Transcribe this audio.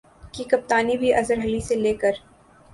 کی کپتانی بھی اظہر علی سے لے کر